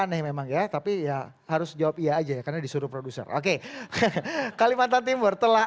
aneh memang ya tapi ya harus jawab iya aja ya karena disuruh produser oke kalimantan timur telah